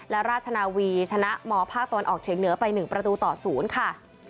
และราชนาวีชนะมภาคตะวันออกเฉียงเหนือไป๑ประตูต่อ๐ค่ะ